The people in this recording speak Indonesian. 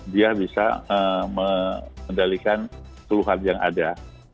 dia bisa mengendalikan keluhan yang ada